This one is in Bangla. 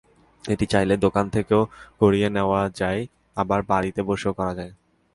এটি চাইলে দোকান থেকেও করিয়ে নেওয়া যায় আবার বাড়িতে বসেও করা যায়।